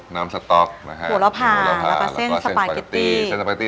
นี่